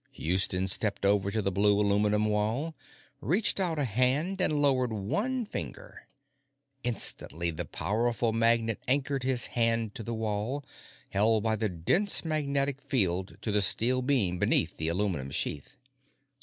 Houston stepped over to the blue aluminum wall, reached out a hand, and lowered one finger. Instantly, the powerful magnet anchored his hand to the wall, held by the dense magnetic field to the steel beam beneath the aluminum sheath.